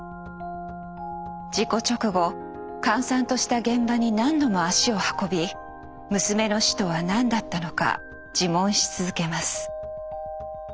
事故直後閑散とした現場に何度も足を運び娘の死とは何だったのか自問し続けます。